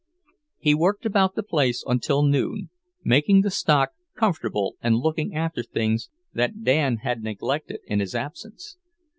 He worked about the place until noon, making the stock comfortable and looking after things that Dan had neglected in his absence.